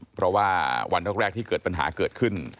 เพราะว่าวันแรกที่เกิดปัญหาเกิดขึ้น